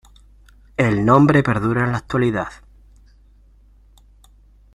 El nombre perdura en la actualidad.